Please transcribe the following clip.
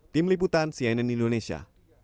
tim liputan cnn indonesia